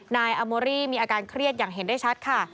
นายอาโมรี่มีอาการเครียดอย่างเห็นได้ชัดค่ะ